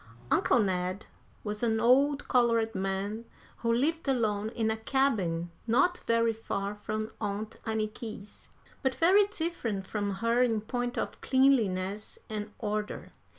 Uncle Ned was an old colored man who lived alone in a cabin not very far from Aunt Anniky's, but very different from her in point of cleanliness and order.